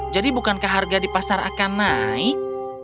jadi bukankah harga di pasar akan naik